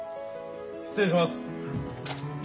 失礼します。